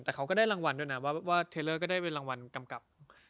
แต่เขาก็ได้รางวัลด้วยนะว่าเทลเลอร์ก็ได้เป็นรางวัลกำกับ